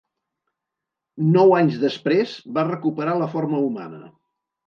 Nou anys després va recuperar la forma humana.